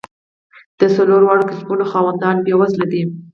د څلور واړو کسبونو خاوندان بېوزله دي.